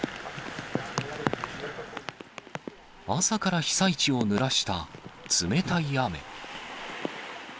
朝から被災地をぬらした冷たい雨。